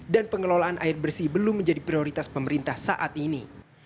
pengelolaan air bersih belum menjadi prioritas pemerintah saat ini